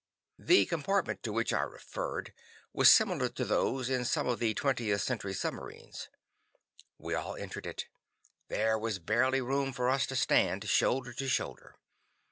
The compartment, to which I referred, was similar to those in some of the 20th Century submarines. We all entered it. There was barely room for us to stand, shoulder to shoulder.